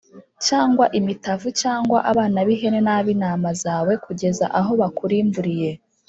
cyangwa imitavu cyangwa abana b’ihene n’ab’intama zawe, kugeza aho bakurimburiye.